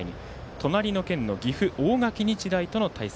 隣の県の岐阜・大垣日大との対戦。